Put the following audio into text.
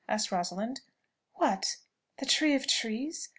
asked Rosalind. "What! The tree of trees?